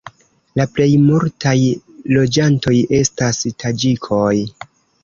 La plejmultaj loĝantoj estas taĝikoj.